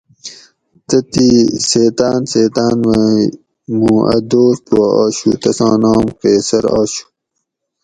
تتھی سیتاۤن سیتاۤن مئ موں اۤ دوست پا آشو تساں نام قیصر آشو